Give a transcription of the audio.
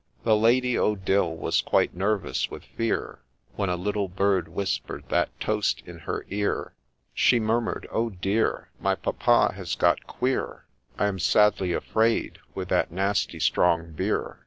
' The Lady Odille was quite nervous with fear When a little bird whisper'd that toast in her ear ; She murmur'd ' Oh, dear 1 My papa has got queer, I am sadly afraid, with thai nasty strong beer